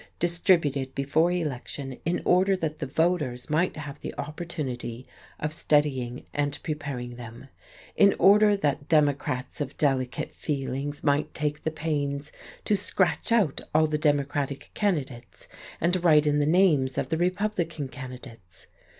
distributed before election, in order that the voters might have the opportunity of studying and preparing them: in order that Democrats of delicate feelings might take the pains to scratch out all the Democratic candidates, and write in the names of the Republican candidates.